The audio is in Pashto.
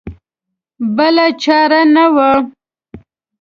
بله چاره نه وه.